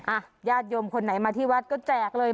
อ่ะญาติโยมคนไหนมาที่วัดก็แจกเลย